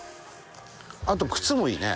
あと靴もいいね。